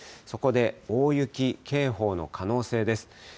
そこで大雪警報の可能性です。